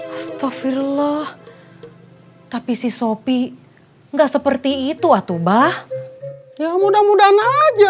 astaghfirullah tapi si sopi nggak seperti itu atuh bah ya mudah mudahan aja